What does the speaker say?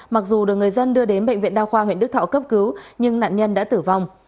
mặc dù được người dân đưa đến bệnh viện đa khoa huyện đức thọ cấp cứu nhưng nạn nhân đã tử vong